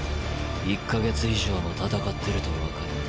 １か月以上も戦ってるとわかる。